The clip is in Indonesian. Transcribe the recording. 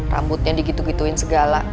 rambutnya digitu gituin segala